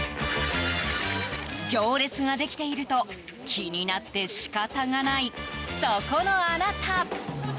行列ができていると気になって仕方がないそこのあなた。